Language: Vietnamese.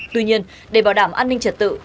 tuy nhiên để bảo đảm an ninh trật tự